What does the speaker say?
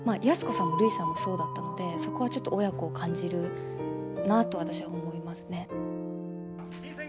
安子さんもるいさんもそうだったのでそこはちょっと親子を感じるなと私は思いますね。